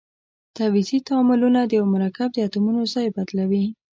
تعویضي تعاملونه د یوه مرکب د اتومونو ځای بدلوي.